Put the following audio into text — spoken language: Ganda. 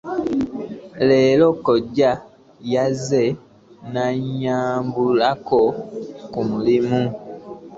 Leero kojja yazze n'anyambulako ku mulimu.